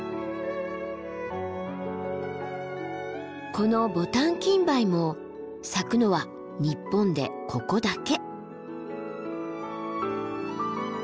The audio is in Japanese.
このボタンキンバイも咲くのは日本でここだけ。